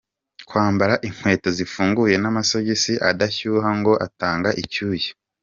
Kwambara inkweto zifunguye n’amasogisi adashyuha ngo atange icyuya,.